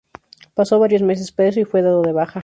Pasó varios meses preso y fue dado de baja.